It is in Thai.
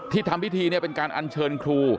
ทำพิธีเนี่ยเป็นการอัญเชิญครู